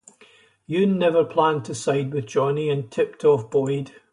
Yoon never planned to side with Johnny and tipped off Boyd.